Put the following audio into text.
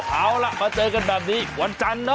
เอาล่ะมาเจอกันแบบนี้วันจันทร์เนอ